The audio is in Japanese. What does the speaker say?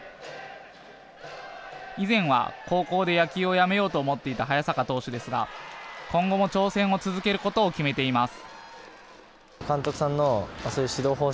以前は高校で野球をやめようと思っていた早坂投手ですが今後も挑戦を続けることを決めています。